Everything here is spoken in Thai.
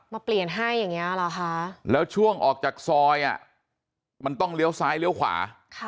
เปลี่ยนให้อย่างนี้เหรอคะแล้วช่วงออกจากซอยมันต้องเลี้ยวซ้ายเลี้ยวขวา